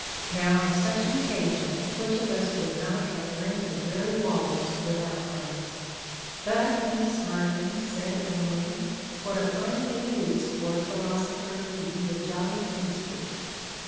Now, on such an occasion, which of us would not have rent the very walls with outcries 1 But he smiling said only : What a fine thing it is for a philosopher to be a jolly feaster!